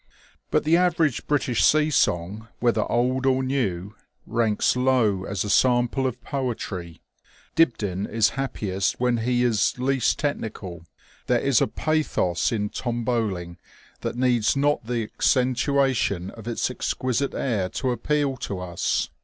But the average British sea song, whether old or new, ranks low as a sample of poetry. Dibdin is happiest when he is least technical. There is a pathos in " Tom Bowling " that needs not the THE OLD NAVAL SEA SONG. 231 accentuation of its exquisite air to appeal to us.